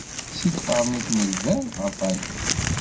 Si tqernit n lberr ɣer tayeḍ.